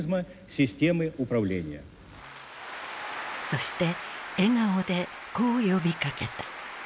そして笑顔でこう呼びかけた。